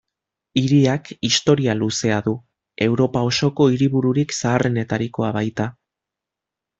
Hiriak historia luzea du, Europa osoko hiribururik zaharrenetarikoa baita.